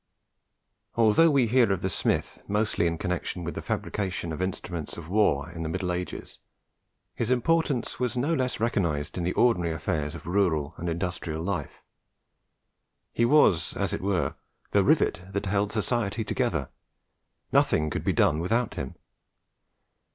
Although we hear of the smith mostly in connexion with the fabrication of instruments of war in the Middle Ages, his importance was no less recognized in the ordinary affairs of rural and industrial life. He was, as it were, the rivet that held society together. Nothing could be done without him.